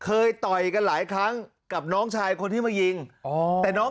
ต่อยกันหลายครั้งกับน้องชายคนที่มายิงอ๋อแต่น้อง